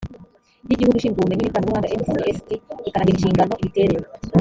y igihugu ishinzwe ubumenyi n ikoranabuhanga ncst rikanagena inshingano imiterere